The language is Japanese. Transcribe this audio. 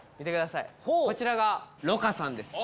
こちらが魯珈さんです。